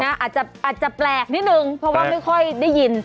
อาจจะแปลกนิดนึงเพราะว่าไม่ค่อยได้ยิน